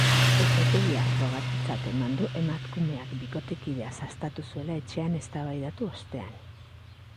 Epaitegiak frogatutzat eman du emakumeak bikotekidea sastatu zuela etxean eztabaidatu ostean.